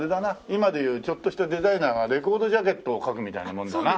今で言うちょっとしたデザイナーがレコードジャケットを描くみたいなものだな。